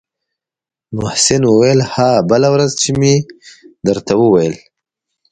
محسن وويل ها بله ورځ چې مې درته وويل.